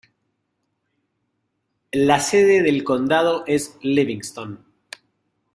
La sede del condado es Livingston.